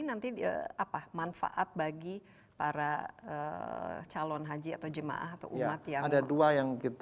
investasi ini nanti apa manfaat bagi para calon haji atau jemaah atau umat yang melompatkan dananya disitu